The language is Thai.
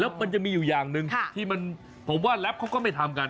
มันจะมีอยู่อย่างหนึ่งที่ผมว่าแรปเขาก็ไม่ทำกัน